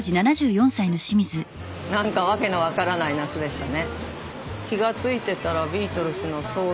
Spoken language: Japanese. なんかわけの分からない夏でしたね。